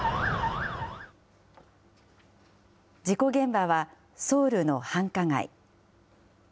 事故現場はソウルの繁華街。